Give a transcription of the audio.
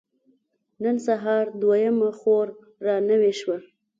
نن سهار دويمه خور را نوې شوه.